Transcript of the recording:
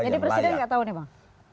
jadi presiden enggak tahu nih bang